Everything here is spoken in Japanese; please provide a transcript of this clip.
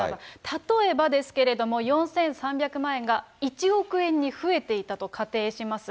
例えばですけれども、４３００万円が１億円に増えていたと仮定します。